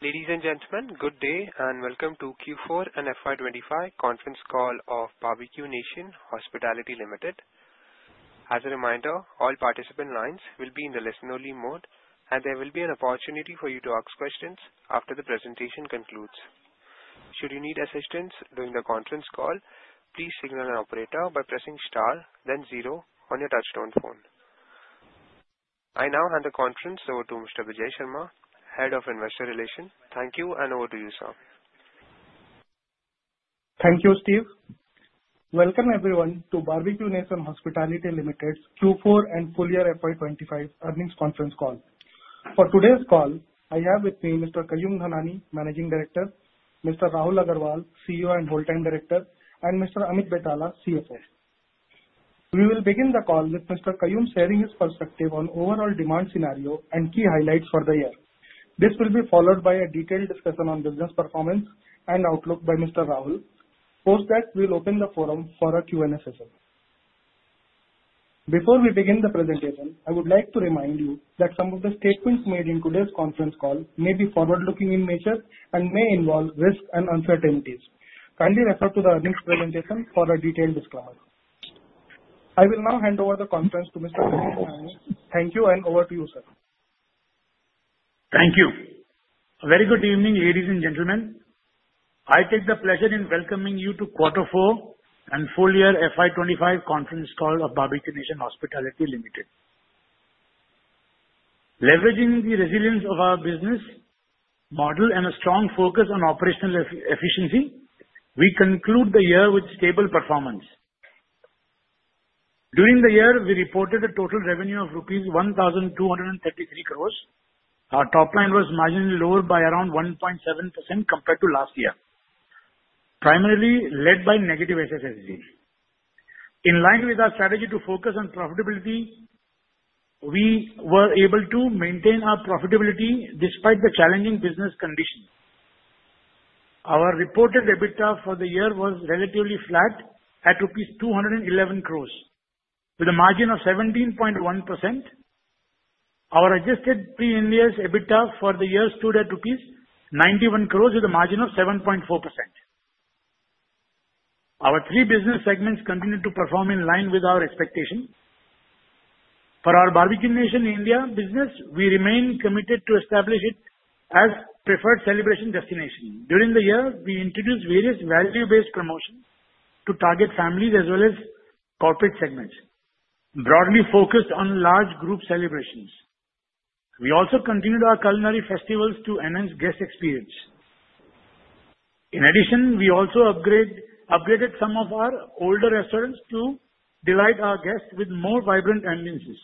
Ladies and gentlemen, good day and welcome to Q4 and FY25 Conference call of Barbeque Nation Hospitality Limited. As a reminder, all participant lines will be in the listen-only mode, and there will be an opportunity for you to ask questions after the presentation concludes. Should you need assistance during the conference call, please signal an operator by pressing star, then zero, on your touch-tone phone. I now hand the conference over to Mr. Bijay Sharma, Head of Investor Relations. Thank you, and over to you, sir. Thank you, Steve. Welcome, everyone, to Barbeque Nation Hospitality Limited's Q4 and Full Year FY25 Earnings Conference Call. For today's call, I have with me Mr. Kayum Dhanani, Managing Director, Mr. Rahul Agrawal, CEO and Whole-time Director, and Mr. Amit Betala, CFO. We will begin the call with Mr. Kayum sharing his perspective on overall demand scenario and key highlights for the year. This will be followed by a detailed discussion on business performance and outlook by Mr. Rahul. Post that, we will open the forum for a Q&A session. Before we begin the presentation, I would like to remind you that some of the statements made in today's conference call may be forward-looking in nature and may involve risks and uncertainties. Kindly refer to the earnings presentation for a detailed disclaimer. I will now hand over the conference to Mr. Kayum Dhanani. Thank you, and over to you, sir. Thank you. A very good evening, ladies and gentlemen. I take the pleasure in welcoming you to Quarter Four and Full Year FY25 Conference Call of Barbeque Nation Hospitality Limited. Leveraging the resilience of our business model and a strong focus on operational efficiency, we conclude the year with stable performance. During the year, we reported a total revenue of rupees 1,233 crores. Our top line was marginally lower by around 1.7% compared to last year, primarily led by negative SSSG. In line with our strategy to focus on profitability, we were able to maintain our profitability despite the challenging business conditions. Our reported EBITDA for the year was relatively flat at rupees 211 crores. With a margin of 17.1%, our adjusted pre-Ind AS EBITDA for the year stood at rupees 91 crores with a margin of 7.4%. Our three business segments continued to perform in line with our expectations. For our Barbeque Nation India business, we remain committed to establish it as a preferred celebration destination. During the year, we introduced various value-based promotions to target families as well as corporate segments, broadly focused on large group celebrations. We also continued our culinary festivals to enhance guest experience. In addition, we also upgraded some of our older restaurants to delight our guests with more vibrant ambiences.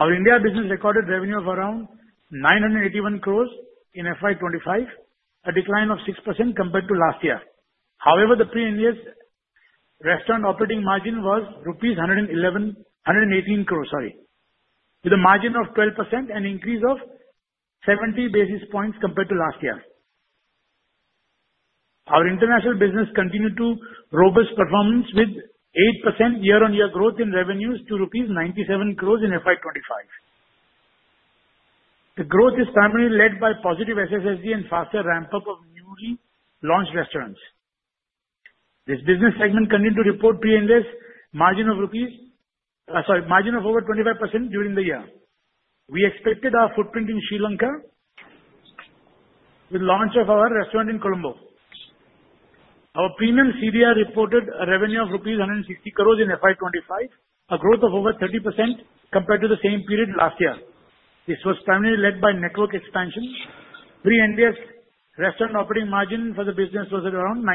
Our India business recorded revenue of around 981 crores in FY25, a decline of 6% compared to last year. However, the Pre-Ind AS restaurant operating margin was rupees 118 crores, with a margin of 12% and an increase of 70 basis points compared to last year. Our international business continued robust performance with 8% year-on-year growth in revenues to rupees 97 crores in FY25. The growth is primarily led by positive SSSG and faster ramp-up of newly launched restaurants. This business segment continued to report Pre-Ind AS margin of over 25% during the year. We expanded our footprint in Sri Lanka with the launch of our restaurant in Colombo. Our premium CDR reported a revenue of 160 crores in FY25, a growth of over 30% compared to the same period last year. This was primarily led by network expansion. Pre-Ind AS restaurant operating margin for the business was around 18%.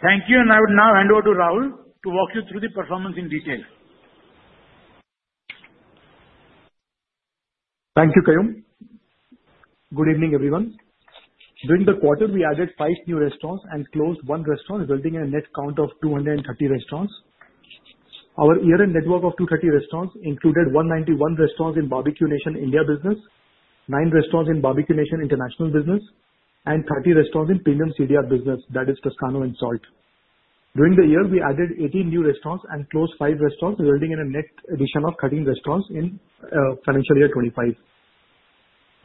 Thank you, and I would now hand over to Rahul to walk you through the performance in detail. Thank you, Kayum. Good evening, everyone. During the quarter, we added five new restaurants and closed one restaurant, resulting in a net count of 230 restaurants. Our year-end network of 230 restaurants included 191 restaurants in Barbeque Nation India business, nine restaurants in Barbeque Nation International business, and 30 restaurants in premium CDR business, that is Toscano and Salt. During the year, we added 18 new restaurants and closed five restaurants, resulting in a net addition of 13 restaurants in financial year 25.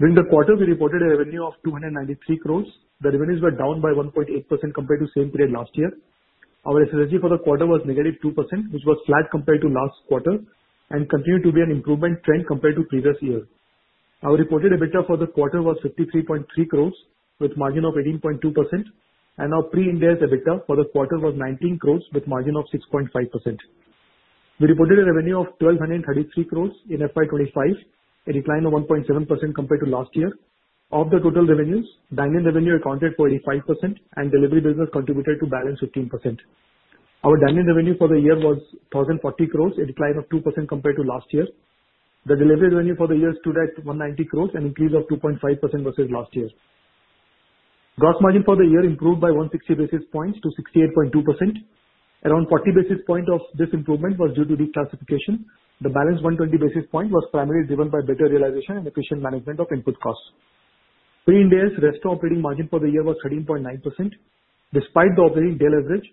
During the quarter, we reported a revenue of 293 crores. The revenues were down by 1.8% compared to the same period last year. Our SSSG for the quarter was negative 2%, which was flat compared to last quarter and continued to be an improvement trend compared to previous years. Our reported EBITDA for the quarter was 53.3 crores, with a margin of 18.2%. Our Pre-Ind AS EBITDA for the quarter was 19 crores, with a margin of 6.5%. We reported a revenue of 1,233 crores in FY25, a decline of 1.7% compared to last year. Of the total revenues, dine-in revenue accounted for 85%, and delivery business contributed to balance 15%. Our dine-in revenue for the year was 1,040 crores, a decline of 2% compared to last year. The delivery revenue for the year stood at 190 crores, an increase of 2.5% versus last year. Gross margin for the year improved by 160 basis points to 68.2%. Around 40 basis points of this improvement was due to declassification. The balance 120 basis points was primarily driven by better realization and efficient management of input costs. Pre-Ind AS restaurant operating margin for the year was 13.9%. Despite the operating day leverage,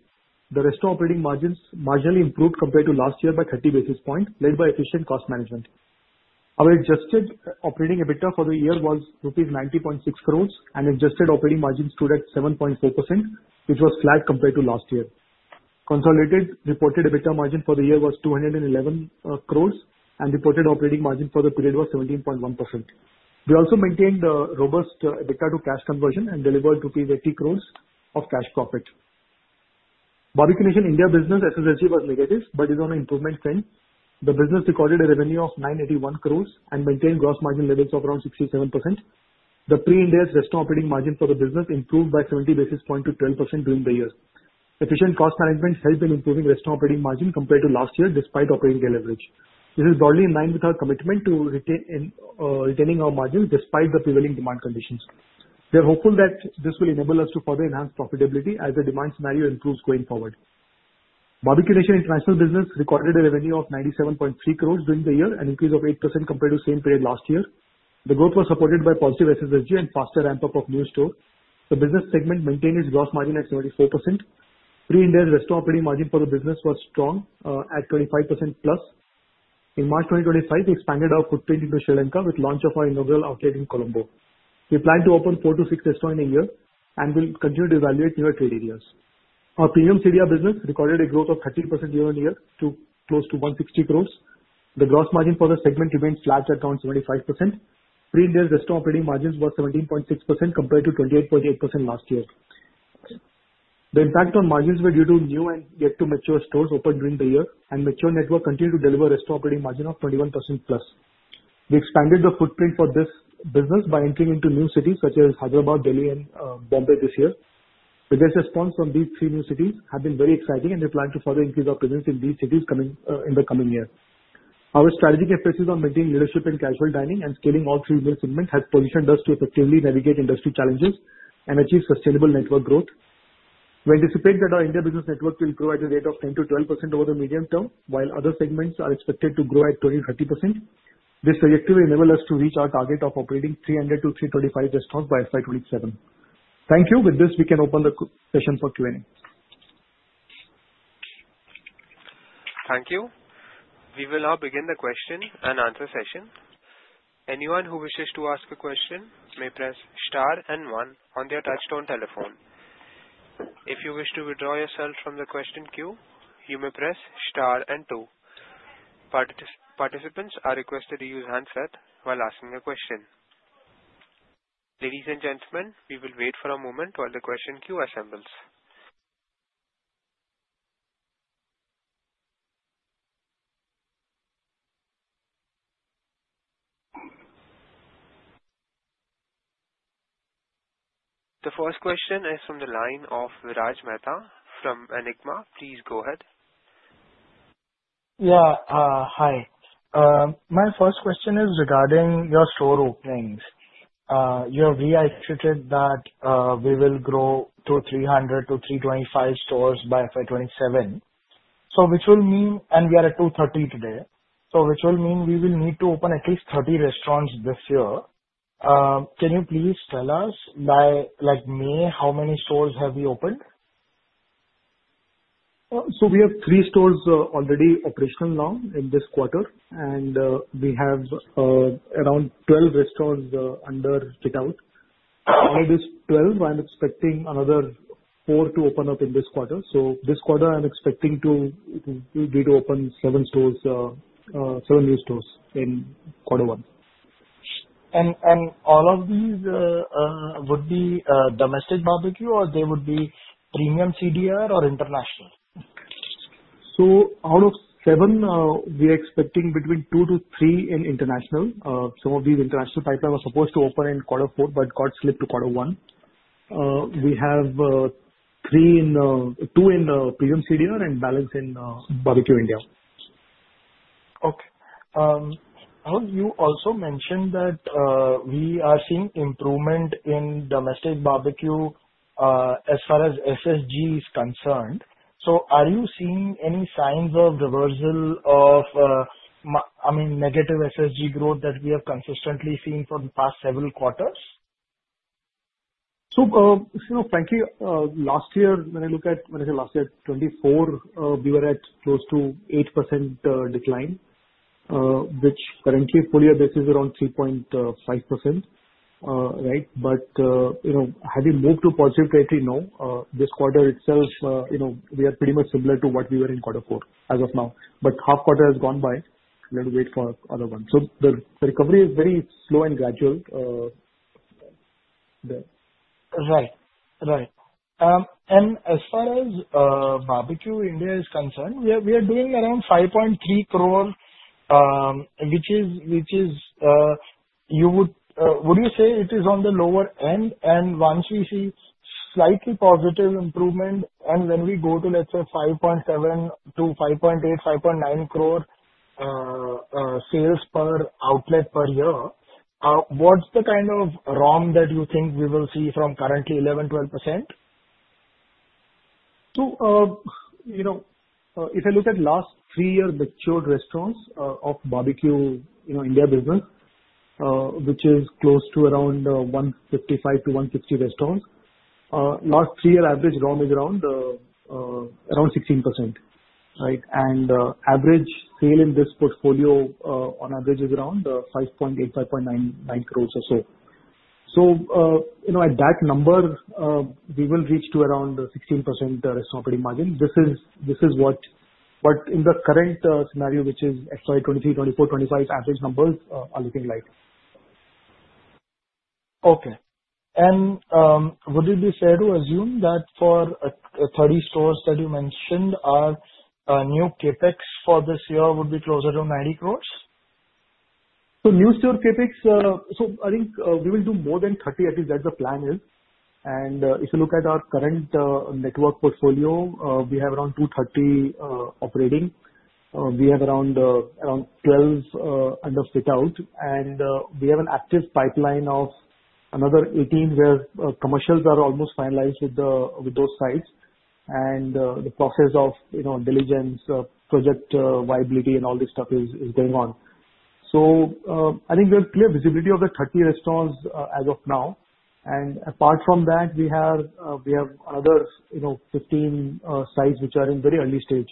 the restaurant operating margins marginally improved compared to last year by 30 basis points, led by efficient cost management. Our Adjusted Operating EBITDA for the year was rupees 90.6 crores, and adjusted operating margin stood at 7.4%, which was flat compared to last year. Consolidated reported EBITDA margin for the year was 211 crores, and reported operating margin for the period was 17.1%. We also maintained a robust EBITDA to cash conversion and delivered rupees 80 crores of cash profit. Barbeque Nation India business SSSG was negative but is on an improvement trend. The business recorded a revenue of 981 crores and maintained gross margin levels of around 67%. The Pre-Ind AS restaurant operating margin for the business improved by 70 basis points to 12% during the year. Efficient cost management helped in improving restaurant operating margin compared to last year, despite operating day leverage. This is broadly in line with our commitment to retaining our margins despite the prevailing demand conditions. We are hopeful that this will enable us to further enhance profitability as the demand scenario improves going forward. Barbeque Nation International business recorded a revenue of 97.3 crores during the year, an increase of 8% compared to the same period last year. The growth was supported by positive SSSG and faster ramp-up of new stores. The business segment maintained its gross margin at 74%. Pre-Ind AS restaurant operating margin for the business was strong at 25% plus. In March 2025, we expanded our footprint into Sri Lanka with the launch of our inaugural outlet in Colombo. We plan to open four to six restaurants in a year and will continue to evaluate newer trade areas. Our premium CDR business recorded a growth of 30% year-on-year to close to 160 crores. The gross margin for the segment remained flat at around 75%. Pre-Ind AS restaurant operating margins were 17.6% compared to 28.8% last year. The impact on margins was due to new and yet to mature stores opened during the year, and the mature network continued to deliver restaurant operating margin of 21% plus. We expanded the footprint for this business by entering into new cities such as Hyderabad, Delhi, and Bombay this year. The best response from these three new cities has been very exciting, and we plan to further increase our presence in these cities in the coming year. Our strategic emphasis on maintaining leadership in casual dining and scaling all three new segments has positioned us to effectively navigate industry challenges and achieve sustainable network growth. We anticipate that our India business network will grow at a rate of 10%-12% over the medium term, while other segments are expected to grow at 20%-30%. This trajectory will enable us to reach our target of operating 300 to 325 restaurants by FY27. Thank you. With this, we can open the session for Q&A. Thank you. We will now begin the question and answer session. Anyone who wishes to ask a question may press star and one on their touch-tone telephone. If you wish to withdraw yourself from the question queue, you may press star and two. Participants are requested to use handset while asking a question. Ladies and gentlemen, we will wait for a moment while the question queue assembles. The first question is from the line of Viraj Mehta from Enigma. Please go ahead. Yeah, hi. My first question is regarding your store openings. You have reiterated that we will grow to 300-325 stores by FY27, which will mean, and we are at 230 today, so which will mean we will need to open at least 30 restaurants this year. Can you please tell us, by May, how many stores have we opened? So we have three stores already operational now in this quarter, and we have around 12 restaurants under fit-out. Out of these 12, I'm expecting another four to open up in this quarter. So this quarter, I'm expecting to be able to open seven new stores in quarter one. All of these would be domestic barbecue, or they would be premium CDR or international? So out of seven, we are expecting between two to three in international. Some of these international pipelines were supposed to open in quarter four but got slipped to quarter one. We have two in premium CDR and balance in Barbeque India. Okay. You also mentioned that we are seeing improvement in domestic Barbeque as far as SSG is concerned. So are you seeing any signs of reversal of, I mean, negative SSG growth that we have consistently seen for the past several quarters? So frankly, last year, when I look at, when I say last year, 24, we were at close to 8% decline, which currently fully advances around 3.5%. But have we moved to positive trajectory? No. This quarter itself, we are pretty much similar to what we were in quarter four as of now. But half quarter has gone by. We have to wait for another one. So the recovery is very slow and gradual. Right. Right. And as far as Barbeque Nation is concerned, we are doing around 5.3 crore, which is, would you say it is on the lower end? And once we see slightly positive improvement, and when we go to, let's say, 5.7-5.8, 5.9 crore sales per outlet per year, what's the kind of ROM that you think we will see from currently 11%-12%? So if I look at last three-year matured restaurants of Barbeque Nation India business, which is close to around 155-160 restaurants, last three-year average ROM is around 16%. And average sale in this portfolio, on average, is around 5.8 crores-5.9 crores or so. So at that number, we will reach to around 16% restaurant operating margin. This is what in the current scenario, which is FY 2023, 2024, 2025, average numbers are looking like. Okay, and would it be fair to assume that for 30 stores that you mentioned, our new CapEx for this year would be closer to 90 crores? So, new store CapEx, so I think we will do more than 30, at least that's the plan is, and if you look at our current network portfolio, we have around 230 operating. We have around 12 under fit-out, and we have an active pipeline of another 18 where commercials are almost finalized with those sites, and the process of diligence, project viability, and all this stuff is going on. So, I think we have clear visibility of the 30 restaurants as of now, and apart from that, we have another 15 sites which are in very early stage.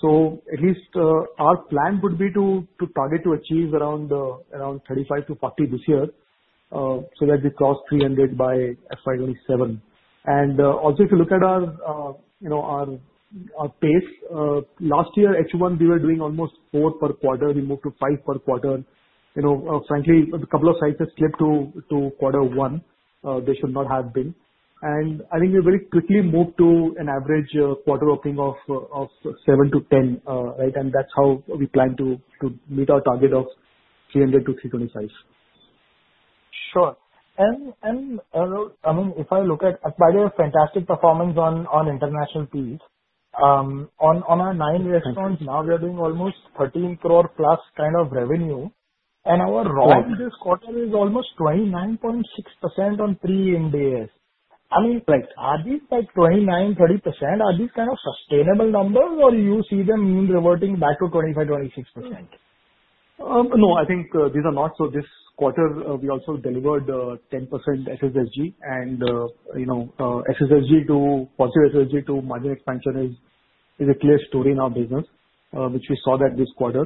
So, at least our plan would be to target to achieve around 35-40 this year so that we cross 300 by FY27, and also, if you look at our pace, last year, H1, we were doing almost four per quarter. We moved to five per quarter. Frankly, a couple of sites have slipped to quarter one. They should not have been. And I think we very quickly moved to an average quarter opening of seven to 10. And that's how we plan to meet our target of 300 to 325. Sure. And I mean, if I look at, by the way, fantastic performance on international piece. On our nine restaurants, now we are doing almost 13 crore plus kind of revenue. And our ROM this quarter is almost 29.6% on pre-Ind AS. I mean, are these like 29%-30%? Are these kind of sustainable numbers, or do you see them reverting back to 25%-26%? No, I think these are not so this quarter, we also delivered 10% SSSG, and SSSG to positive SSG to margin expansion is a clear story in our business, which we saw this quarter,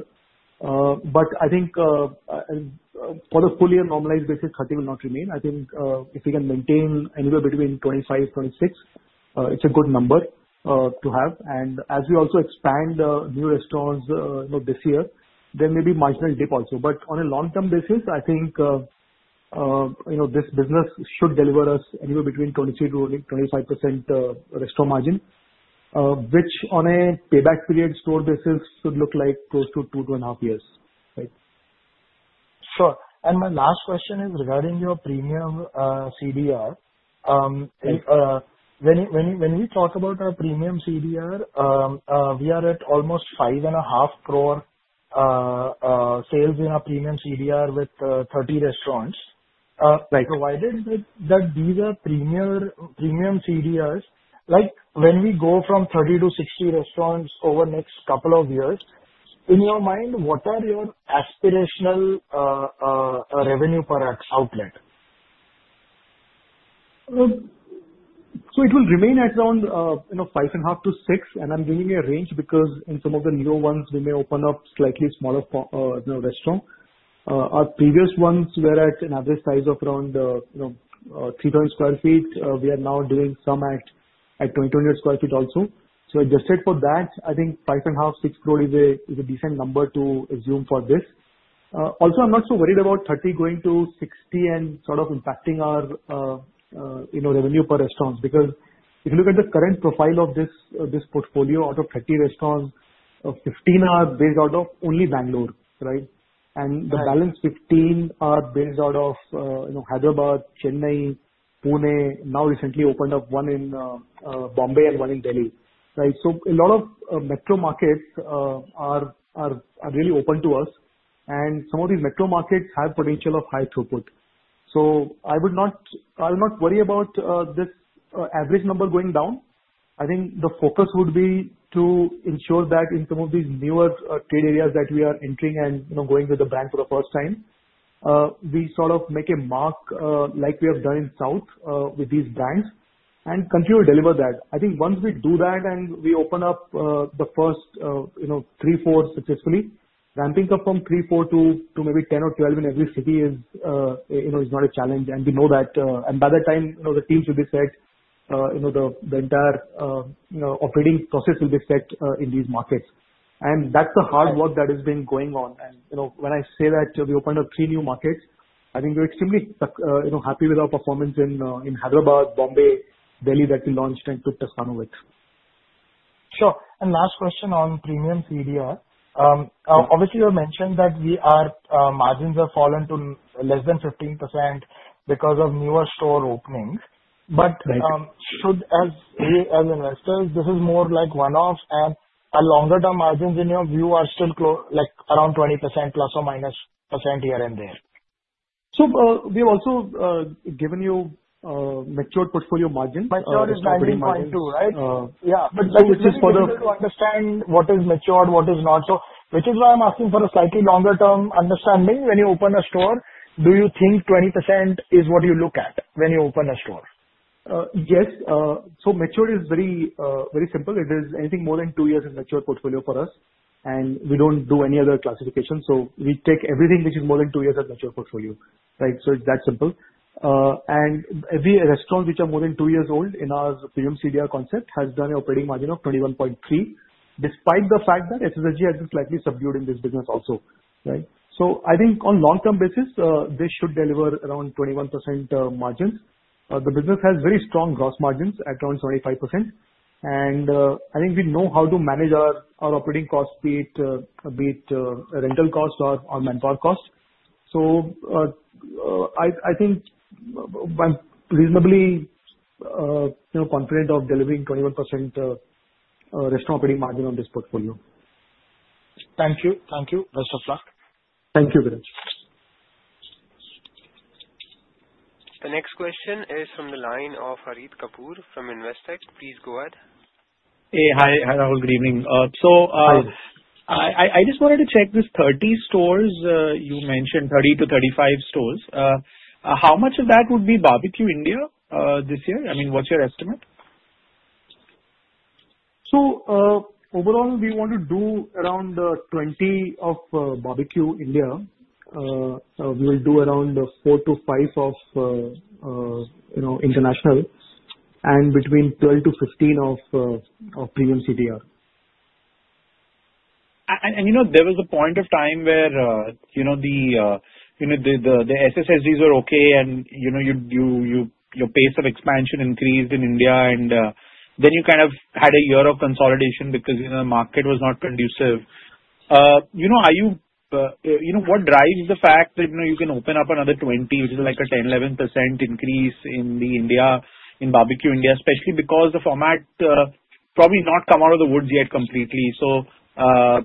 but I think for the full year normalized basis, 30 will not remain. I think if we can maintain anywhere between 25, 26, it's a good number to have, and as we also expand new restaurants this year, there may be marginal dip also, but on a long-term basis, I think this business should deliver us anywhere between 23%-25% restaurant margin, which on a payback period store basis should look like close to two to a half years. Sure. And my last question is regarding your premium CDR. When we talk about our premium CDR, we are at almost 5.5 crore sales in our premium CDR with 30 restaurants. Provided that these are premium CDRs, when we go from 30 to 60 restaurants over the next couple of years, in your mind, what are your aspirational revenue per outlet? So it will remain at around 5.5-6. And I'm giving you a range because in some of the newer ones, we may open up slightly smaller restaurants. Our previous ones were at an average size of around 3,000 sq ft. We are now doing some at 2,200 sq ft also. So adjusted for that, I think 5.5-6 crore is a decent number to assume for this. Also, I'm not so worried about 30 going to 60 and sort of impacting our revenue per restaurants because if you look at the current profile of this portfolio out of 30 restaurants, 15 are based out of only Bangalore. And the balance 15 are based out of Hyderabad, Chennai, Pune. Now recently opened up one in Mumbai and one in Delhi. So a lot of metro markets are really open to us. And some of these metro markets have potential of high throughput. So I will not worry about this average number going down. I think the focus would be to ensure that in some of these newer trade areas that we are entering and going with the brand for the first time, we sort of make a mark like we have done in south with these brands and continue to deliver that. I think once we do that and we open up the first three, four successfully, ramping up from three, four to maybe 10 or 12 in every city is not a challenge. And we know that. And by that time, the teams will be set. The entire operating process will be set in these markets. And that's the hard work that has been going on. When I say that we opened up three new markets, I think we're extremely happy with our performance in Hyderabad, Bombay, Delhi that we launched and took Toscano with. Sure. And last question on premium CDR. Obviously, you have mentioned that margins have fallen to less than 15% because of newer store openings. But should, as investors, this is more like one-off and a longer-term margin in your view are still around 20% plus or minus percent here and there? So we have also given you matured portfolio margins. Matured is 90.2, right? Yeah. But we just wanted to understand what is matured, what is not. So which is why I'm asking for a slightly longer-term understanding. When you open a store, do you think 20% is what you look at when you open a store? Yes. So matured is very simple. It is anything more than two years in matured portfolio for us. And we don't do any other classification. So we take everything which is more than two years as matured portfolio. So it's that simple. And every restaurant which are more than two years old in our premium CDR concept has done an operating margin of 21.3%, despite the fact that SSG has been slightly subdued in this business also. So I think on long-term basis, they should deliver around 21% margins. The business has very strong gross margins at around 25%. And I think we know how to manage our operating cost, be it rental cost or manpower cost. So I think I'm reasonably confident of delivering 21% restaurant operating margin on this portfolio. Thank you. Thank you. Best of luck. Thank you very much. The next question is from the line of Harit Kapoor from Investec. Please go ahead. Hey, hi, Rahul. Good evening. So I just wanted to check this 30 stores you mentioned, 30-35 stores. How much of that would be Barbeque Nation India this year? I mean, what's your estimate? So overall, we want to do around 20 of Barbeque Nation India. We will do around four to five of Barbeque Nation International and between 12 to 15 of premium CDR. There was a point of time where the SSSGs were okay and your pace of expansion increased in India. You kind of had a year of consolidation because the market was not conducive. What drives the fact that you can open up another 20, which is like a 10%-11% increase in India, in Barbeque Nation India, especially because the format probably not come out of the woods yet completely? I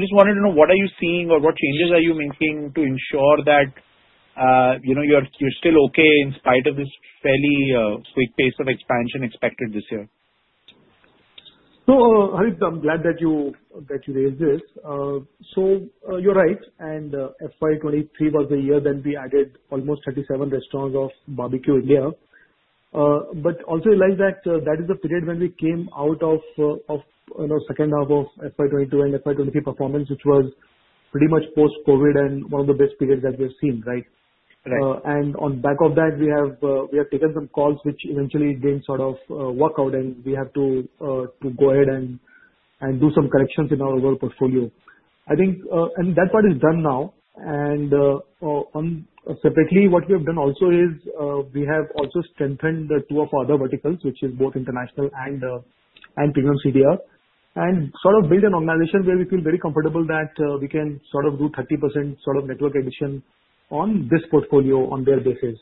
just wanted to know, what are you seeing or what changes are you making to ensure that you're still okay in spite of this fairly sweet pace of expansion expected this year? So Harit, I'm glad that you raised this. So you're right. And FY23 was the year that we added almost 37 restaurants of Barbeque Nation. But also realize that that is the period when we came out of second half of FY22 and FY23 performance, which was pretty much post-COVID and one of the best periods that we have seen. And on back of that, we have taken some calls which eventually didn't sort of work out, and we have to go ahead and do some corrections in our overall portfolio. I think that part is done now. And separately, what we have done also is we have also strengthened two of our other verticals, which is both international and premium CDR, and sort of built an organization where we feel very comfortable that we can sort of do 30% sort of network addition on this portfolio on their basis.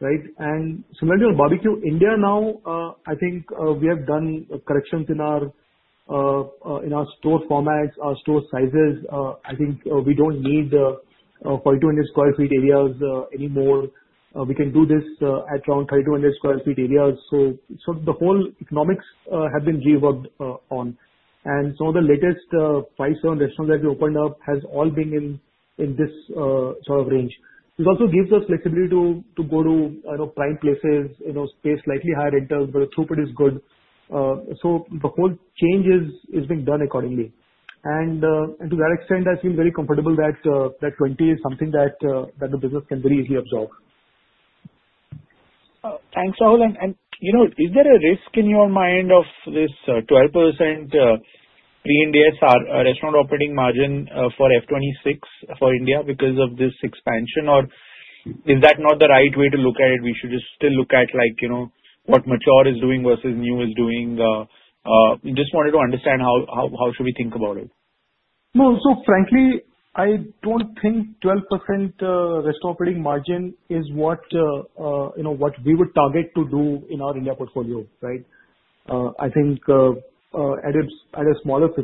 Similarly, on Barbeque Nation India now, I think we have done corrections in our store formats, our store sizes. I think we don't need 4,200 sq ft areas anymore. We can do this at around 3,200 sq ft areas. So the whole economics have been reworked on. And some of the latest five, seven restaurants that we opened up have all been in this sort of range. This also gives us flexibility to go to prime places, pay slightly higher rentals, but the throughput is good. So the whole change is being done accordingly. And to that extent, I feel very comfortable that 20 is something that the business can very easily absorb. Thanks, Rahul. And is there a risk in your mind of this 12% pre-Ind AS restaurant operating margin for FY26 for India because of this expansion? Or is that not the right way to look at it? We should just still look at what mature is doing versus new is doing. Just wanted to understand how should we think about it? No. So frankly, I don't think 12% restaurant operating margin is what we would target to do in our India portfolio. I think at a smaller 50-60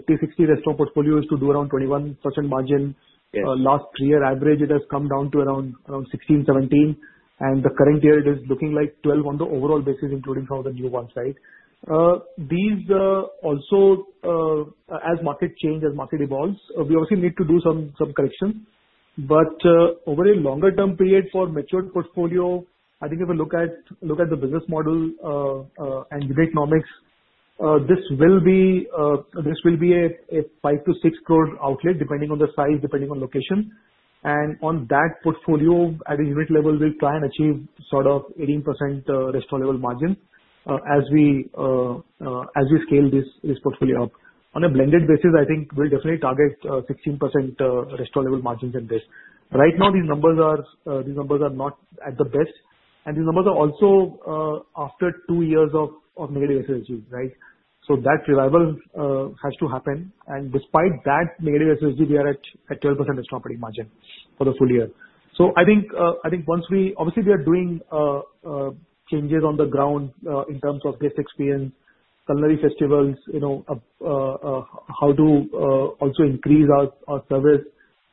restaurant portfolio, it's to do around 21% margin. Last three year average, it has come down to around 16-17. And the current year, it is looking like 12 on the overall basis, including some of the new ones. These also, as market change, as market evolves, we obviously need to do some corrections. But over a longer-term period for matured portfolio, I think if we look at the business model and unit economics, this will be a five to six crore outlet, depending on the size, depending on location. And on that portfolio, at a unit level, we'll try and achieve sort of 18% restaurant level margin as we scale this portfolio up. On a blended basis, I think we'll definitely target 16% restaurant level margins in this. Right now, these numbers are not at the best, and these numbers are also after two years of negative SSG. So that revival has to happen, and despite that negative SSG, we are at 12% restaurant operating margin for the full year. So I think once we obviously, we are doing changes on the ground in terms of guest experience, culinary festivals, how to also increase our service,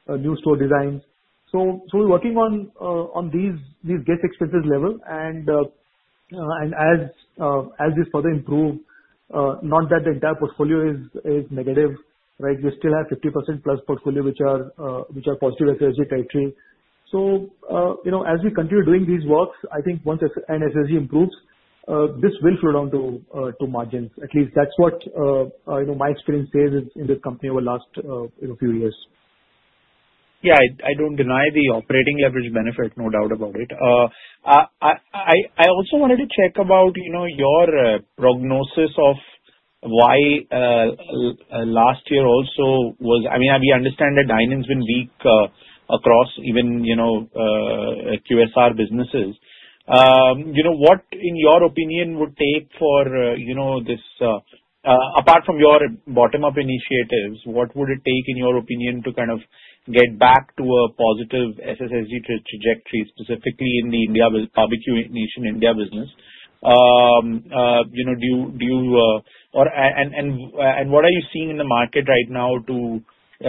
new store designs. So we're working on these guest experiences level, and as this further improves, not that the entire portfolio is negative. We still have 50% plus portfolio, which are positive SSG territory. So as we continue doing these works, I think once an SSG improves, this will flow down to margins. At least that's what my experience says in this company over the last few years. Yeah. I don't deny the operating leverage benefit, no doubt about it. I also wanted to check about your prognosis of why last year also was, I mean, we understand that dining has been weak across even QSR businesses. What, in your opinion, would take for this? Apart from your bottom-up initiatives, what would it take, in your opinion, to kind of get back to a positive SSSG trajectory, specifically in the Barbeque Nation, India business? Do you, and what are you seeing in the market right now to say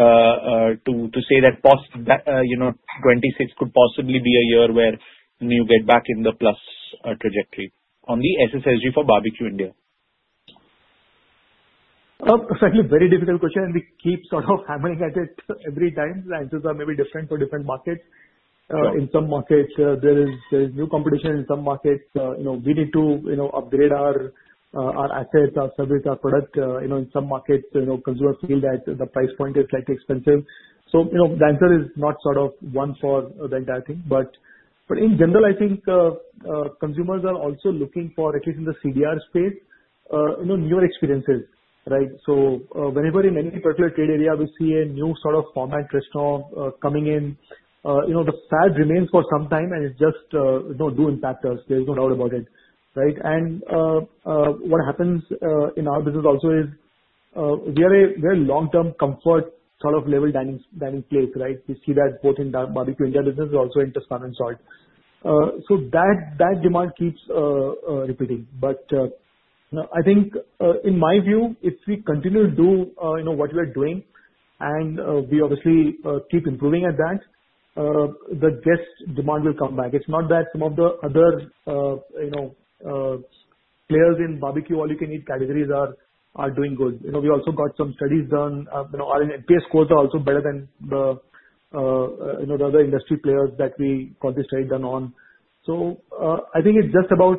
that 2026 could possibly be a year where you get back in the plus trajectory on the SSSG for Barbeque Nation India? Certainly, very difficult question, and we keep sort of hammering at it every time. The answers are maybe different for different markets. In some markets, there is new competition. In some markets, we need to upgrade our assets, our service, our product. In some markets, consumers feel that the price point is slightly expensive. So the answer is not sort of one for the entire thing, but in general, I think consumers are also looking for, at least in the CDR space, newer experiences. So whenever in any particular trade area, we see a new sort of format restaurant coming in, the fad remains for some time, and it just does impact us. There's no doubt about it, and what happens in our business also is we are a long-term comfort sort of level dining place. We see that both in Barbeque-Nation India business, also in Toscano and Salt. So that demand keeps repeating. But I think, in my view, if we continue to do what we are doing and we obviously keep improving at that, the guest demand will come back. It's not that some of the other players in barbecue all-you-can-eat categories are doing good. We also got some studies done. Our NPS scores are also better than the other industry players that we got this study done on. So I think it's just about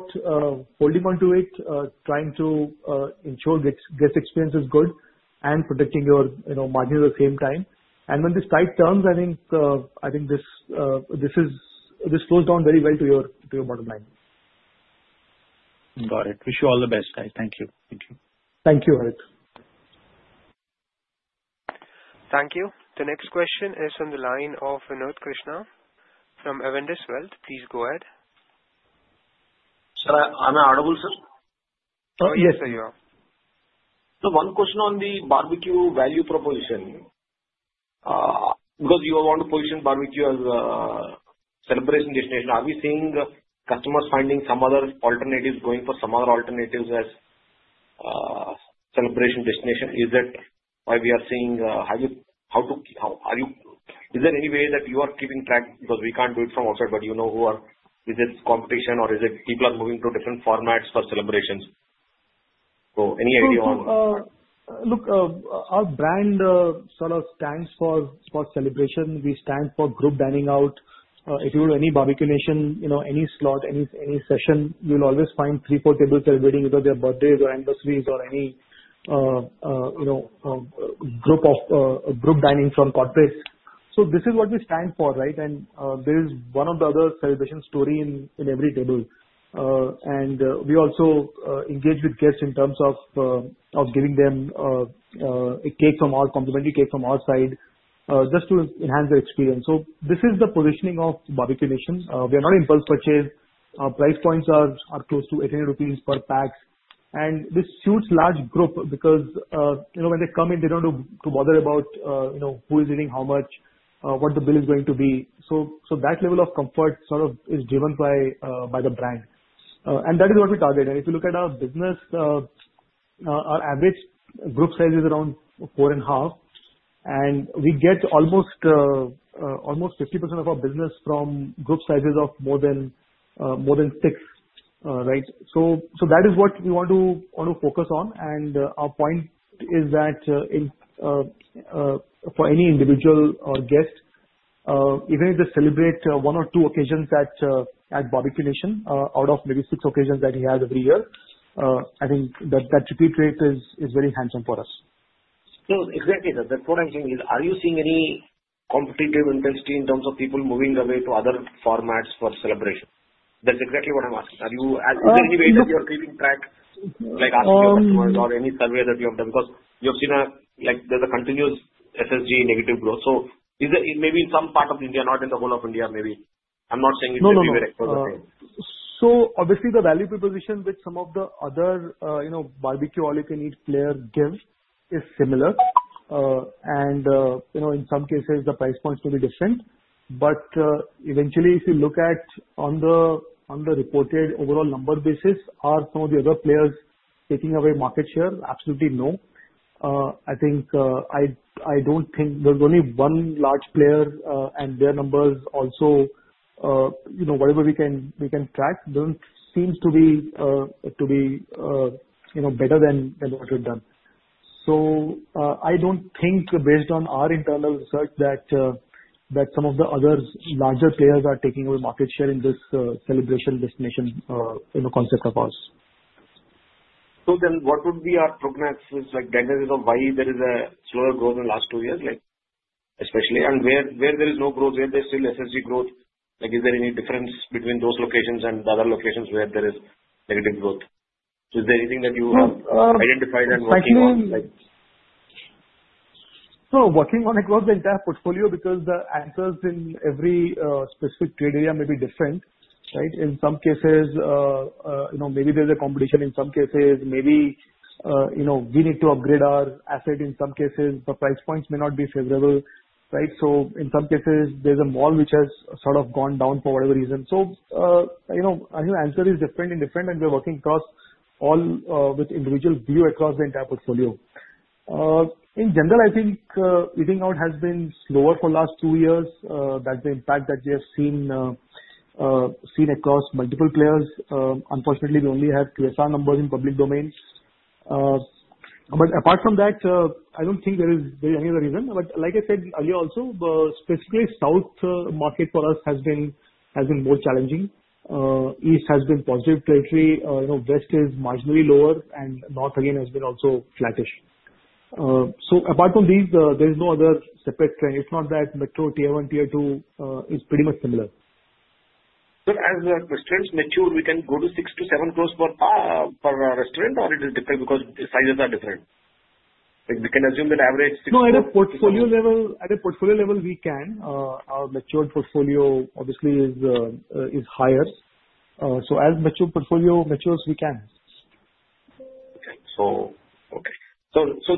holding on to it, trying to ensure guest experience is good and protecting your margins at the same time. And when this tide turns, I think this flows down very well to your bottom line. Got it. Wish you all the best, guys. Thank you. Thank you. Thank you, Harit. Thank you. The next question is from the line of Anurag Krishna from Avendus Wealth. Please go ahead. Sir, I'm Aaravul, sir. Yes, sir, you are. So one question on the Barbeque value proposition. Because you want to position Barbeque as a celebration destination, are we seeing customers finding some other alternatives, going for some other alternatives as a celebration destination? Is that why we are seeing, are you, is there any way that you are keeping track? Because we can't do it from outside, but you know who are, is it competition, or is it people are moving to different formats for celebrations? So any idea on? Look, our brand sort of stands for celebration. We stand for group dining out. If you go to any Barbeque Nation, any slot, any session, you'll always find three, four tables celebrating either their birthdays or anniversaries or any group dining from corporates. So this is what we stand for. And there is one of the other celebration stories in every table. And we also engage with guests in terms of giving them a cake from our complimentary cake from our side just to enhance their experience. So this is the positioning of Barbeque Nation. We are not in bulk purchase. Our price points are close to 800 rupees per pack. And this suits large groups because when they come in, they don't have to bother about who is eating how much, what the bill is going to be. So that level of comfort sort of is driven by the brand. And that is what we target. And if you look at our business, our average group size is around four and a half. And we get almost 50% of our business from group sizes of more than six. So that is what we want to focus on. And our point is that for any individual or guest, even if they celebrate one or two occasions at Barbeque Nation out of maybe six occasions that he has every year, I think that repeat rate is very handsome for us. So exactly, sir, that's what I'm saying is. Are you seeing any competitive intensity in terms of people moving away to other formats for celebration? That's exactly what I'm asking. Is there any way that you are keeping track, like asking your customers or any survey that you have done? Because you have seen there's a continuous SSG negative growth. So maybe in some part of India, not in the whole of India, maybe. I'm not saying it will be the same. So obviously, the value proposition with some of the other barbecue all-you-can-eat players gives is similar. And in some cases, the price points may be different. But eventually, if you look at on the reported overall number basis, are some of the other players taking away market share? Absolutely no. I don't think there's only one large player, and their numbers also, whatever we can track, doesn't seem to be better than what we've done. So I don't think, based on our internal research, that some of the other larger players are taking away market share in this celebration destination concept of ours. So then what would be our prognosis? Like that is why there is a slower growth in the last two years, especially. And where there is no growth, where there's still SSG growth, is there any difference between those locations and the other locations where there is negative growth? Is there anything that you have identified and working on? So working on across the entire portfolio because the answers in every specific trade area may be different. In some cases, maybe there's a competition. In some cases, maybe we need to upgrade our asset. In some cases, the price points may not be favorable. So in some cases, there's a mall which has sort of gone down for whatever reason. So I think the answer is different and different, and we're working across all with individual view across the entire portfolio. In general, I think eating out has been slower for the last two years. That's the impact that we have seen across multiple players. Unfortunately, we only have QSR numbers in public domains. But apart from that, I don't think there is any other reason. But like I said earlier also, specifically South market for us has been more challenging. East has been positive territory. West is marginally lower, and North again has been also flattish. So apart from these, there is no other separate trend. If not that, Metro tier one, tier two is pretty much similar. So as a restaurant matures, we can go to six to seven crores for a restaurant, or it is different because the sizes are different? We can assume that average six to seven. No, at a portfolio level, we can. Our matured portfolio obviously is higher. So as mature portfolio matures, we can. Okay, so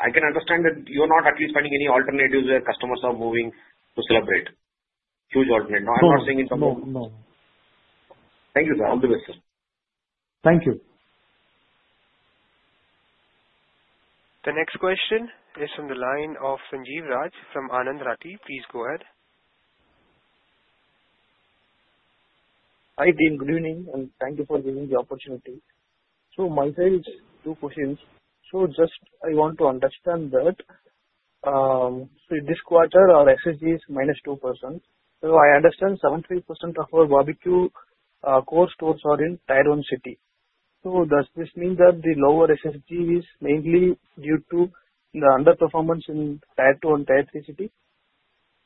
I can understand that you're not at least finding any alternatives where customers are moving to celebrate huge alternative. No, I'm not saying it's a problem. No. No. Thank you, sir. All the best, sir. Thank you. The next question is from the line of Sanjeev Raj from Anand Rathi. Please go ahead. Hi Team, good evening, and thank you for giving the opportunity. So my side is two questions. So just I want to understand that this quarter, our SSG is -2%. So I understand 75% of our Barbeque core stores are in tier one city. So does this mean that the lower SSG is mainly due to the underperformance in tier two and tier three city?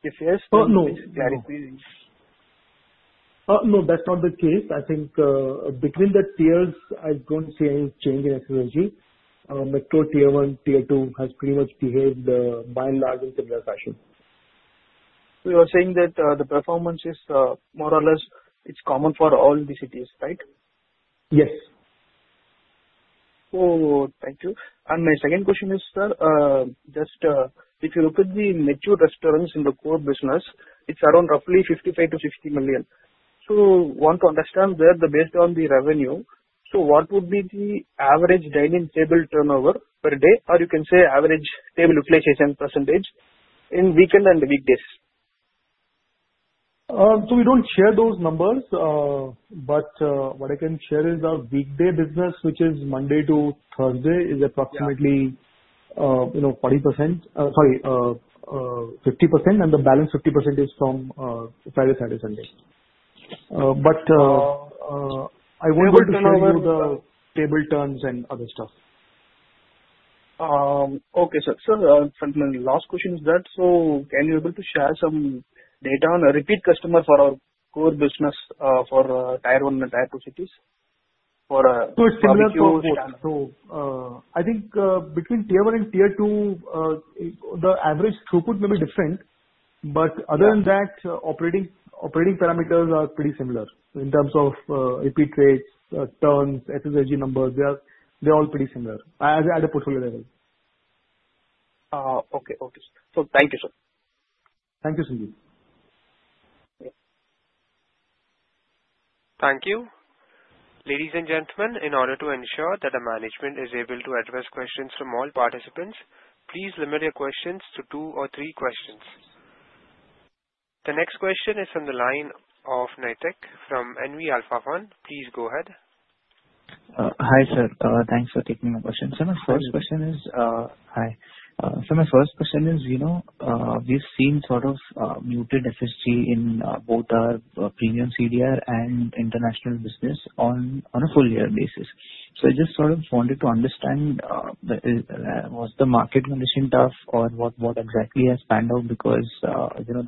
If yes, please clarify. No, that's not the case. I think between the tiers, I don't see any change in SSG. Metro Tier One, Tier Two has pretty much behaved by and large in similar fashion. So you are saying that the performance is more or less, it's common for all the cities, right? Yes. Oh, thank you. And my second question is, sir, just if you look at the mature restaurants in the core business, it's around roughly 55 million-60 million. So I want to understand where the based on the revenue, so what would be the average dining table turnover per day, or you can say average table utilization percentage in weekend and weekdays? So we don't share those numbers, but what I can share is our weekday business, which is Monday to Thursday, is approximately 40%, sorry, 50%, and the balance 50% is from Friday, Saturday, Sunday. But I won't be able to show you the table turns and other stuff. Okay, sir. So last question is that, so can you be able to share some data on a repeat customer for our core business for Tier One and Tier Two cities? So it's similar to Tier One. So I think between Tier One and Tier Two, the average throughput may be different, but other than that, operating parameters are pretty similar in terms of repeat rates, turns, SSG numbers. They are all pretty similar at a portfolio level. Okay, so thank you, sir. Thank you, Sanjeev. Thank you. Ladies and gentlemen, in order to ensure that the management is able to address questions from all participants, please limit your questions to two or three questions. The next question is from the line of Naitik from NV Alpha One. Please go ahead. Hi, sir. Thanks for taking my question. So my first question is, we've seen sort of muted SSG in both our premium CDR and international business on a full-year basis. So I just sort of wanted to understand, was the market condition tough, or what exactly has panned out? Because the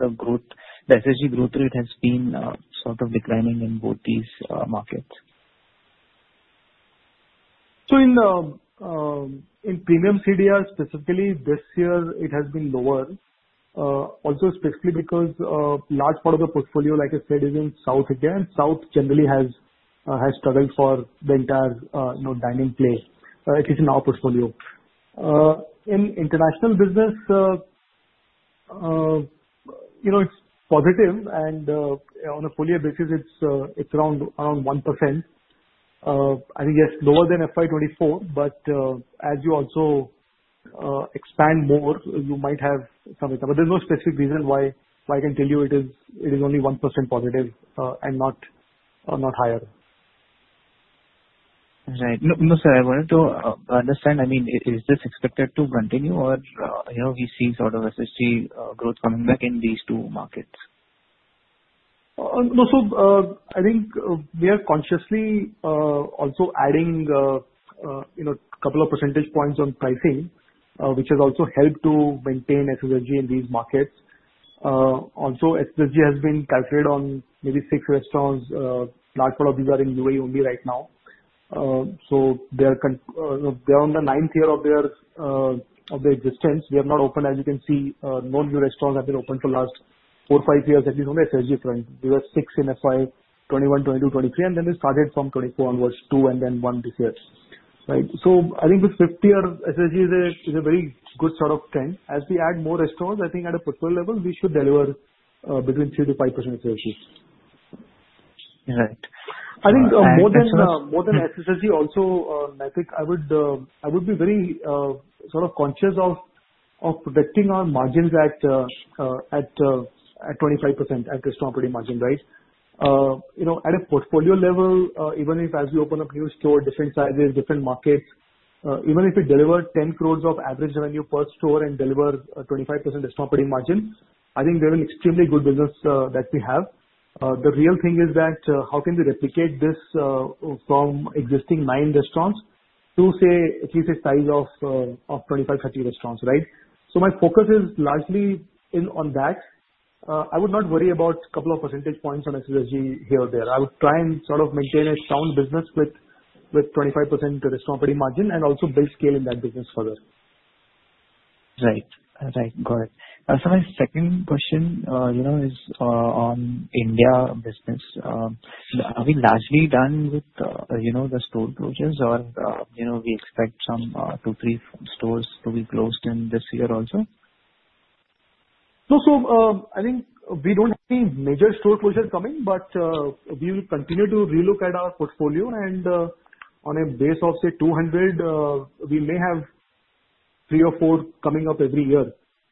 SSG growth rate has been sort of declining in both these markets. So in premium CDR, specifically this year, it has been lower. Also, specifically because a large part of the portfolio, like I said, is in South again. South generally has struggled for the entire dining play, at least in our portfolio. In international business, it's positive, and on a full-year basis, it's around 1%. I think it's lower than FY24, but as you also expand more, you might have some impact. But there's no specific reason why I can tell you it is only 1% positive and not higher. Right. No, sir, I wanted to understand, I mean, is this expected to continue, or we see sort of SSG growth coming back in these two markets? No, so I think we are consciously also adding a couple of percentage points on pricing, which has also helped to maintain SSG in these markets. Also, SSG has been calculated on maybe six restaurants. A large part of these are in UAE only right now. So they are on the ninth year of their existence. We have not opened, as you can see, no new restaurants have been opened for the last four or five years, at least on the SSG front. We were six in FY21, FY22, FY23, and then we started from 24 onwards, two and then one this year. So I think the fifth year SSG is a very good sort of trend. As we add more restaurants, I think at a portfolio level, we should deliver between 3% to 5% SSG. Right. I think more than SSG also, I think I would be very sort of conscious of protecting our margins at 25%, at the restaurant margin, right? At a portfolio level, even if as we open up new stores, different sizes, different markets, even if we deliver 10 crores of average revenue per store and deliver 25% restaurant margin, I think we have an extremely good business that we have. The real thing is that how can we replicate this from existing nine restaurants to, say, at least a size of 25, 30 restaurants, right? So my focus is largely on that. I would not worry about a couple of percentage points on SSG here or there. I would try and sort of maintain a sound business with 25% restaurant margin and also build scale in that business further. Right. Okay, go ahead. So my second question is on India business. Are we largely done with the store closures, or we expect some two, three stores to be closed in this year also? No, so I think we don't have any major store closures coming, but we will continue to relook at our portfolio, and on a base of, say, 200, we may have three or four coming up every year,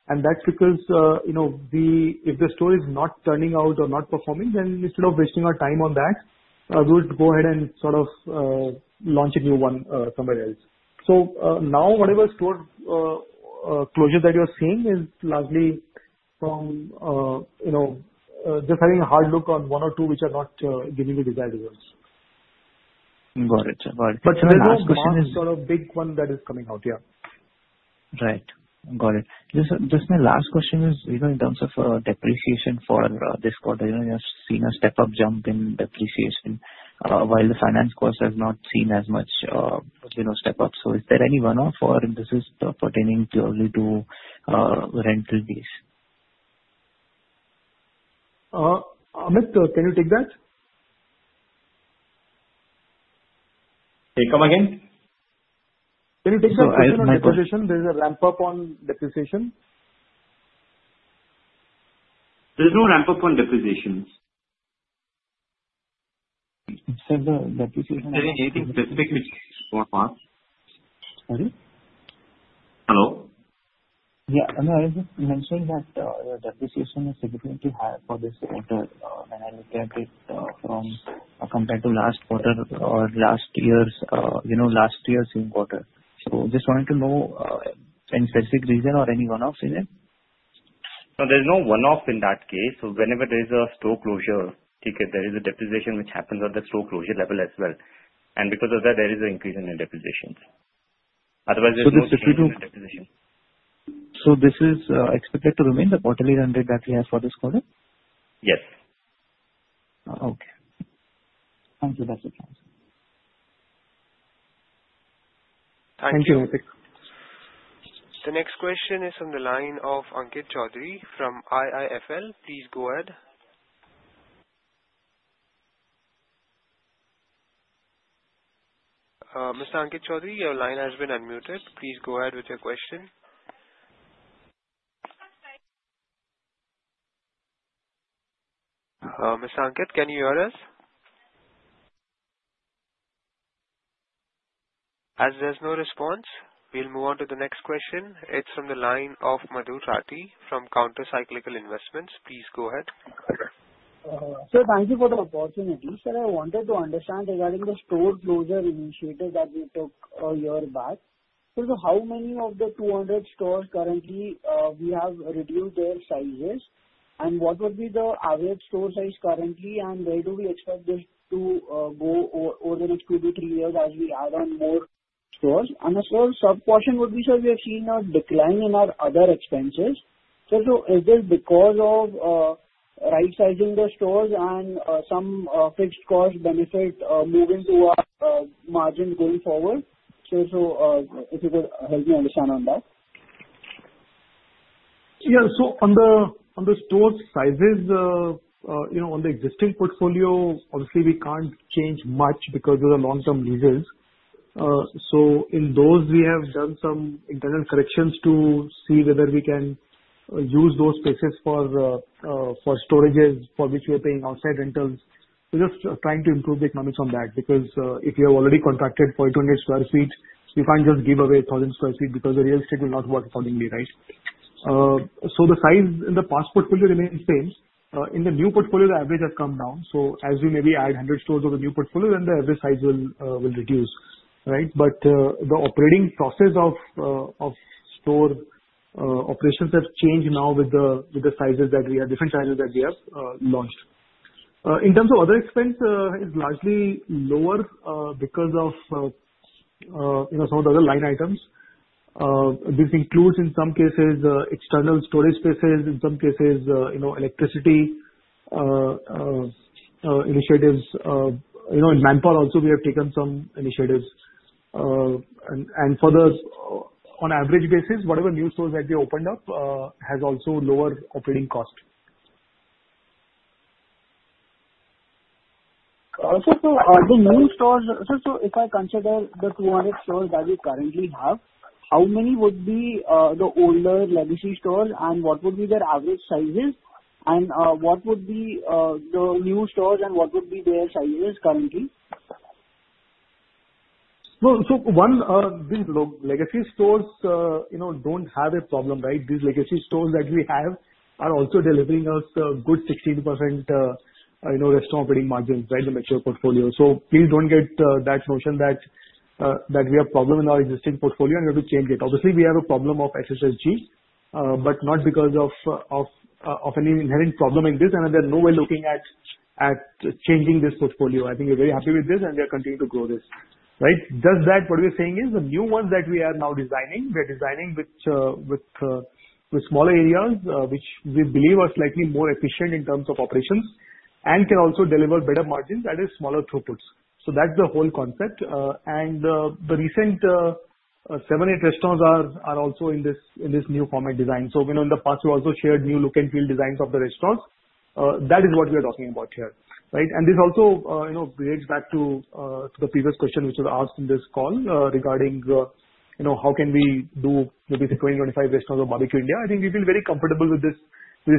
and that's because if the store is not turning out or not performing, then instead of wasting our time on that, we would go ahead and sort of launch a new one somewhere else, so now, whatever store closures that you're seeing is largely from just having a hard look on one or two which are not giving the desired results. Got it. But there's also a sort of big one that is coming out, yeah. Right. Got it. Just my last question is in terms of depreciation for this quarter, you have seen a step-up jump in depreciation while the finance costs has not seen as much step-up. So is there any one-off, or this is pertaining purely to rental lease? Amit, can you take that? Can you come again? Can you take that question on depreciation? There is a ramp-up on depreciation. There's no ramp-up on depreciation. Sir, the depreciation... Is there anything specific which... Sorry? Hello? Yeah. I was just mentioning that the depreciation is significantly higher for this quarter when I look at it from compared to last quarter or last year's same quarter. So just wanted to know any specific reason or any run-off in it? So there's no run-off in that case. So whenever there is a store closure ticket, there is a depreciation which happens at the store closure level as well. And because of that, there is an increase in the depreciation. Otherwise, there's no depreciation. So this is expected to remain the quarterly run rate that we have for this quarter? Yes. Okay. Thank you. That's it. Thank you, Amit. The next question is from the line of Ankit Chaudhary from IIFL. Please go ahead. Mr. Ankit Chaudhary, your line has been unmuted. Please go ahead with your question. Mr. Ankit, can you hear us? As there's no response, we'll move on to the next question. It's from the line of Madhu Rathi from Countercyclical Investments. Please go ahead. Sir, thank you for the opportunity. Sir, I wanted to understand regarding the store closure initiative that we took a year back. So how many of the 200 stores currently we have reduced their sizes? And what would be the average store size currently, and where do we expect this to go over the next two to three years as we add on more stores? And the third sub-question would be, sir, we have seen a decline in our other expenses. So is this because of right-sizing the stores and some fixed cost benefit moving to our margins going forward? So if you could help me understand on that. Yeah. So on the store sizes, on the existing portfolio, obviously, we can't change much because of the long-term leases. So in those, we have done some internal corrections to see whether we can use those spaces for storages for which we are paying outside rentals. We're just trying to improve the economics on that because if you have already contracted 420 sq ft, you can't just give away 1,000 sq ft because the real estate will not work accordingly, right? So the size in the past portfolio remains same. In the new portfolio, the average has come down. So as we maybe add 100 stores to the new portfolio, then the average size will reduce, right? But the operating process of store operations have changed now with the sizes that we have, different sizes that we have launched. In terms of other expense, it's largely lower because of some of the other line items. This includes, in some cases, external storage spaces, in some cases, electricity initiatives. In Manipal also, we have taken some initiatives, and for the, on average basis, whatever new stores that we opened up has also lower operating cost. Also, sir, are the new stores, so if I consider the 200 stores that we currently have, how many would be the older legacy stores, and what would be their average sizes? And what would be the new stores, and what would be their sizes currently? No, so one, these legacy stores don't have a problem, right? These legacy stores that we have are also delivering us a good 16% restaurant margins, right, in the mature portfolio. So please don't get that notion that we have a problem in our existing portfolio and we have to change it. Obviously, we have a problem of SSG, but not because of any inherent problem in this. And there's no way looking at changing this portfolio. I think we're very happy with this, and we are continuing to grow this, right? Just that what we are saying is the new ones that we are now designing, we are designing with smaller areas, which we believe are slightly more efficient in terms of operations and can also deliver better margins at smaller throughputs. So that's the whole concept. And the recent 78 restaurants are also in this new format design. So in the past, we also shared new look and feel designs of the restaurants. That is what we are talking about here, right? And this also relates back to the previous question which was asked in this call regarding how can we do maybe the 2025 restaurants of Barbeque India. I think we feel very comfortable with this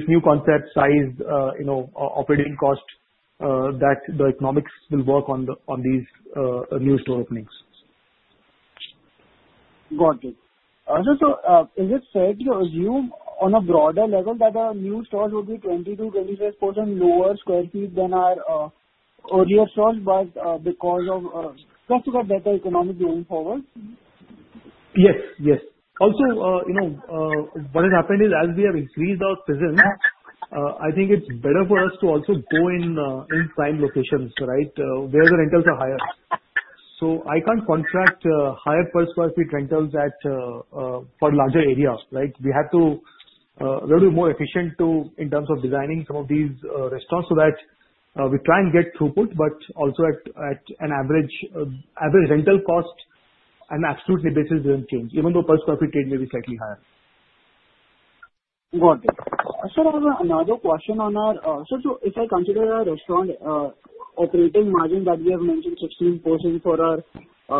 new concept, size, operating cost, that the economics will work on these new store openings. Got it. So is it fair to assume on a broader level that our new stores will be 20%-25% lower sq ft than our earlier stores because of just to get better economics going forward? Yes. Also, what has happened is as we have increased our presence, I think it's better for us to also go in prime locations, right, where the rentals are higher. So I can't contract higher per square feet rentals for larger areas. We have to be more efficient in terms of designing some of these restaurants so that we try and get throughput, but also at an average rental cost, on an absolute basis doesn't change, even though per square feet rate may be slightly higher. Got it. So another question on our, so if I consider our restaurant operating margin that we have mentioned, 16% for our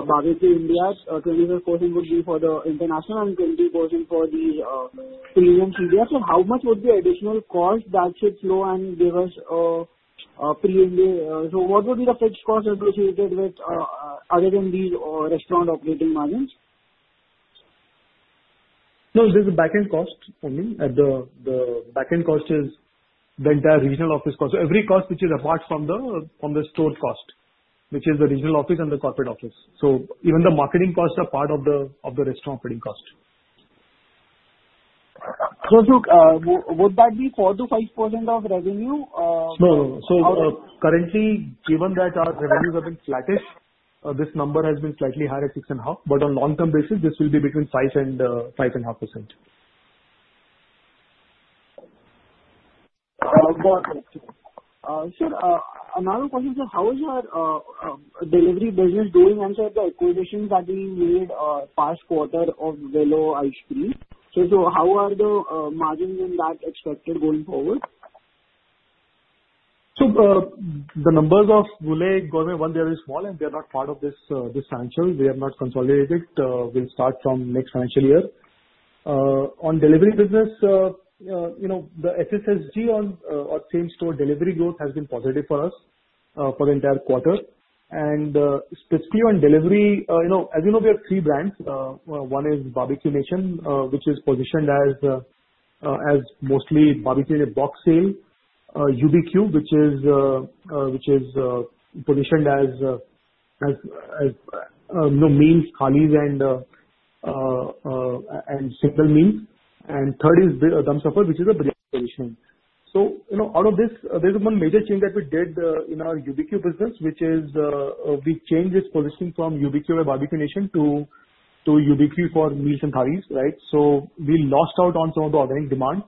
Barbeque India, 25% would be for the international, and 20% for the premium CDR, so how much would be the additional cost that should flow and give us pre-Ind AS? So what would be the fixed cost associated with other than these restaurant operating margins? No, this is back-end cost only. The back-end cost is the entire regional office cost. So every cost which is apart from the store cost, which is the regional office and the corporate office. So even the marketing costs are part of the restaurant operating cost. Would that be 4%-5% of revenue? No, no, so currently, given that our revenues have been flattish, this number has been slightly higher at 6.5%, but on a long-term basis, this will be between 5% and 5.5%. Got it. Sir, another question is how is your delivery business doing against the acquisitions that we made past quarter of Blue Planet? So how are the margins in that expected going forward? The numbers of Blue Planet Foods, they are very small, and they are not part of these financials. They have not consolidated. We'll start from next financial year. On delivery business, the SSG on same-store delivery growth has been positive for us for the entire quarter. And specifically on delivery, as you know, we have three brands. One is Barbeque Nation, which is positioned as mostly Barbeque in a box sale, UBQ, which is positioned as meals, thalis, and simple meals. And third is Dum Safar, which is a Biryani position. So out of this, there's one major change that we did in our UBQ business, which is we changed this positioning from UBQ by Barbeque Nation to UBQ for meals and thalis, right? So we lost out on some of the organic demand.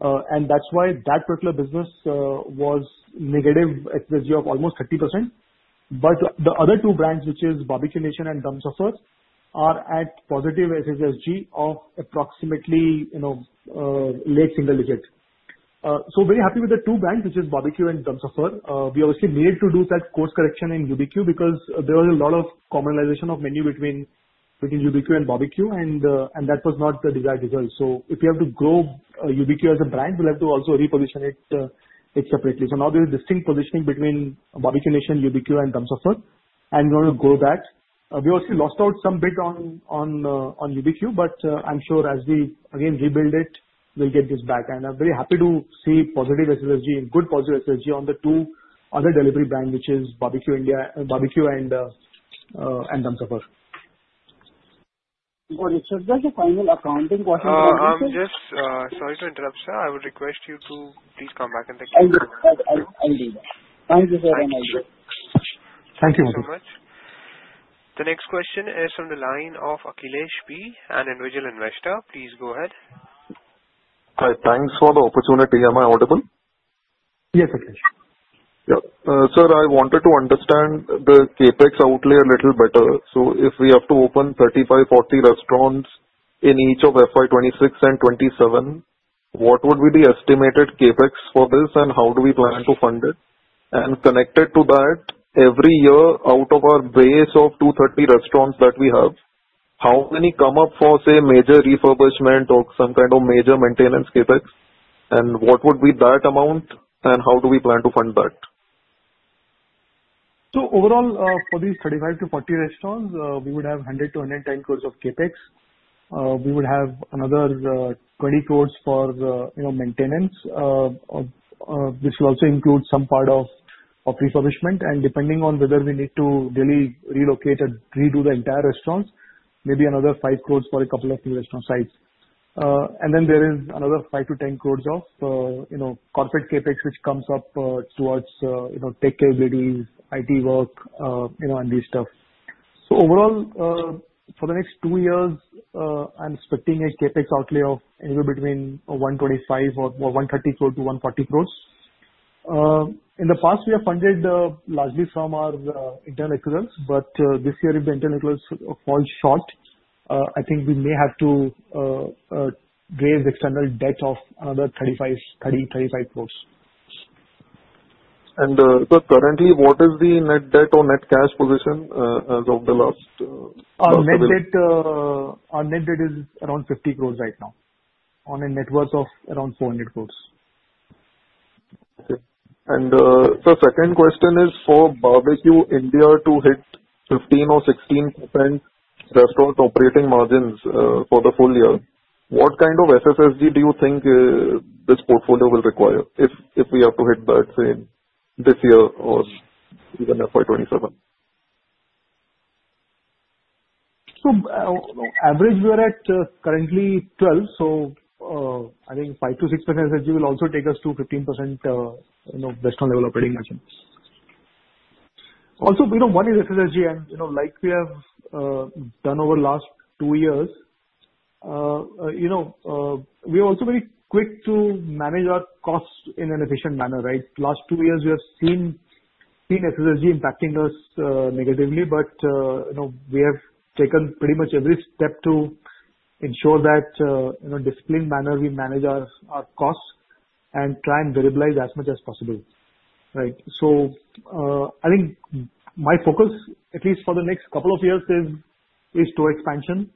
And that's why that particular business was negative at the SSG of almost 30%. But the other two brands, which are Barbeque Nation and Dum Safar, are at positive SSG of approximately late single digit. So very happy with the two brands, which are Barbeque and Dum Safar. We obviously needed to do course correction in UBQ because there was a lot of cannibalization of menu between UBQ and Barbeque, and that was not the desired result. So if we have to grow UBQ as a brand, we'll have to also reposition it separately. So now there is distinct positioning between Barbeque Nation, UBQ, and Dum Safar. And we want to grow that. We obviously lost out some bit on UBQ, but I'm sure as we again rebuild it, we'll get this back. And I'm very happy to see positive SSG and good positive SSG on the two other delivery brands, which are Barbeque and Dum Safar. Got it. Sir, just the final accounting question. Yes. Sorry to interrupt, sir. I would request you to please come back and take your time. I'll do that. Thank you, sir, and I'll do that. Thank you very much. The next question is from the line of Akhilesh P., an Individual Investor. Please go ahead. Hi. Thanks for the opportunity. Am I audible? Yes, Akhilesh. Yeah. Sir, I wanted to understand the CapEx outlay a little better. So if we have to open 35-40 restaurants in each of FY26 and FY27, what would be the estimated CapEx for this, and how do we plan to fund it? And connected to that, every year out of our base of 230 restaurants that we have, how many come up for, say, major refurbishment or some kind of major maintenance CapEx? And what would be that amount, and how do we plan to fund that? So overall, for these 35 to 40 restaurants, we would have 100 crores-110 crores of CapEx. We would have another 20 crores for maintenance, which will also include some part of refurbishment. And depending on whether we need to really relocate and redo the entire restaurants, maybe another 5 crores for a couple of new restaurant sites. And then there is another 5 crores-10 crores of corporate CAPEX, which comes up towards tech capabilities, IT work, and these stuff. So overall, for the next two years, I'm expecting a CapEx outlay of anywhere between 125 crores-130 crores to 140 crores. In the past, we have funded largely from our internal accruals, but this year, if the internal accruals fall short, I think we may have to raise external debt of another 35 crores. Currently, what is the net debt or net cash position as of the last? Our net debt is around 50 crores right now, on a net worth of around 400 crores. Okay. And the second question is for Barbeque India to hit 15% or 16% restaurant operating margins for the full year. What kind of SSG do you think this portfolio will require if we have to hit that same this year or even FY27? So, average, we are currently at 12%. So I think 5%-6% SSG will also take us to 15% restaurant level operating margin. Also, one is SSG, and like we have done over the last two years, we are also very quick to manage our costs in an efficient manner, right? Last two years, we have seen SSG impacting us negatively, but we have taken pretty much every step to ensure that in a disciplined manner, we manage our costs and try and variabilize as much as possible, right? So I think my focus, at least for the next couple of years, is store expansion,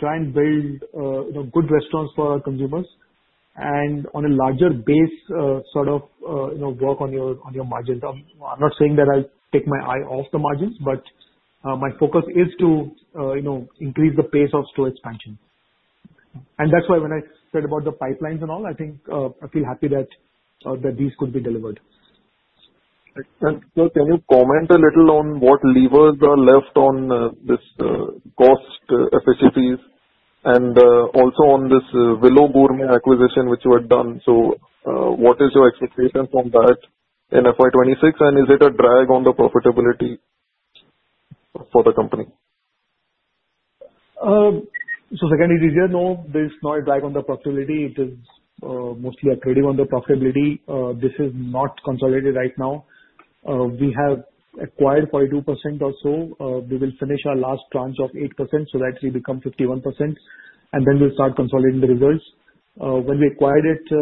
try and build good restaurants for our consumers, and on a larger base, sort of work on your margins. I'm not saying that I'll take my eye off the margins, but my focus is to increase the pace of store expansion. That's why when I said about the pipelines and all, I think I feel happy that these could be delivered. Sir, can you comment a little on what levers are left on this cost efficiencies and also on this Blue Gourmet acquisition which you had done? What is your expectation from that in FY26, and is it a drag on the profitability for the company? So, secondly, this year, no, there is no drag on the profitability. It is mostly a trading on the profitability. This is not consolidated right now. We have acquired 42% or so. We will finish our last tranche of 8% so that we become 51%, and then we'll start consolidating the results. When we acquired it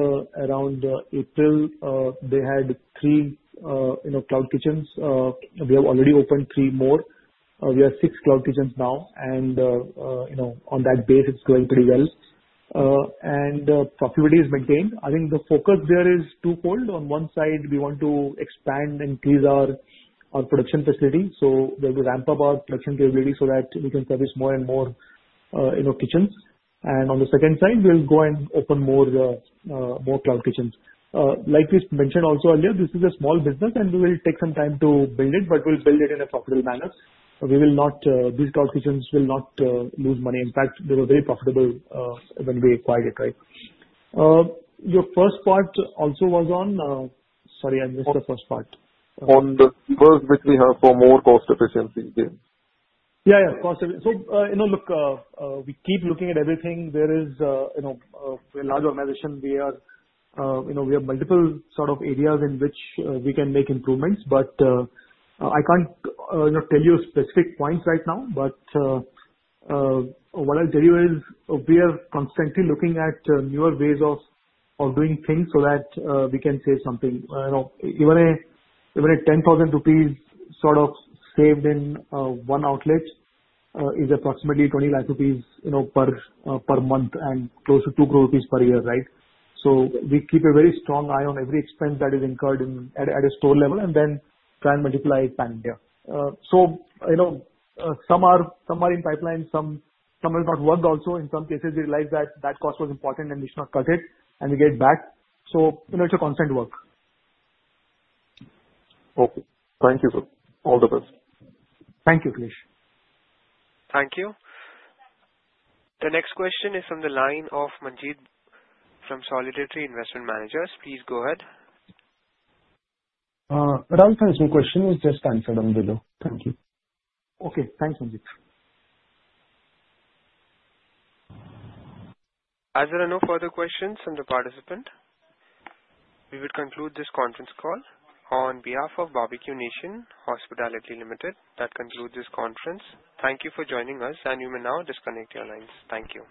around April, they had three cloud kitchens. We have already opened three more. We have six cloud kitchens now, and on that base, it's going pretty well. And profitability is maintained. I think the focus there is twofold. On one side, we want to expand and increase our production facility. So we'll ramp up our production capability so that we can service more and more kitchens. And on the second side, we'll go and open more cloud kitchens. Like we mentioned also earlier, this is a small business, and we will take some time to build it, but we'll build it in a profitable manner. These cloud kitchens will not lose money. In fact, they were very profitable when we acquired it, right? Your first part also was on, sorry, I missed the first part. On the levers which we have for more cost efficiency gains. Yeah, yeah. So look, we keep looking at everything. There is a large organization. We have multiple sort of areas in which we can make improvements, but I can't tell you specific points right now. But what I'll tell you is we are constantly looking at newer ways of doing things so that we can save something. Even a 10,000 rupees sort of saved in one outlet is approximately 20,000 rupees per month and close to 2 crores rupees per year, right? So we keep a very strong eye on every expense that is incurred at a store level and then try and multiply it back. So some are in pipeline. Some have not worked also. In some cases, we realize that that cost was important and we should not cut it, and we get back. So it's a constant work. Okay. Thank you, sir. All the best. Thank you, Akhilesh. Thank you. The next question is from the line of Manjeet from Solidarity Investment Managers. Please go ahead. Rahul has no question. He's just answered on Willow. Thank you. Okay. Thanks, Manjeet. As there are no further questions from the participant, we would conclude this conference call. On behalf of Barbeque-Nation Hospitality Limited, that concludes this conference. Thank you for joining us, and you may now disconnect your lines. Thank you.